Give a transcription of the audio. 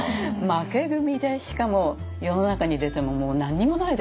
負け組でしかも世の中に出てももう何にもないですよね。